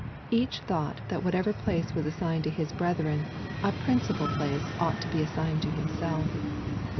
Each thought that whatever place was assigned to his breth ren, a principal place ought to be assigned to himself.